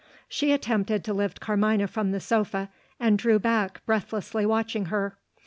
She attempted to lift Carmina from the sofa and drew back, breathlessly watching her.